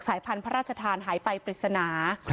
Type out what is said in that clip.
พันธุ์พระราชทานหายไปปริศนา